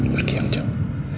pergi yang jauh